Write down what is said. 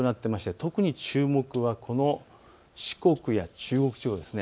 特に注目は四国、中国地方です。